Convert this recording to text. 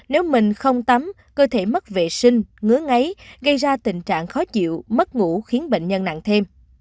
nếu mình không tắm cơ thể mất vệ sinh ngứa ngáy gây ra tình trạng khó chịu mất ngủ khiến bệnh nhân nặng thêm